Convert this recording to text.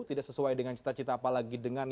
tidak sesuai dengan cita cita apalagi dengan